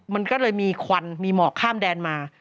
มันก็เลยมีควันมีหมอกข้ามแดนมา